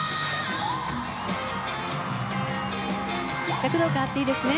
躍動感があっていいですね。